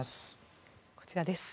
こちらです。